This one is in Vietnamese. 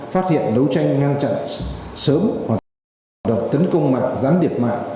phát hiện đấu tranh ngăn chặn sớm hoạt động tấn công mạng gián điệp mạng